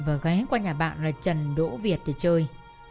và ghé qua nhà bạn là trần đỗ việt để chơi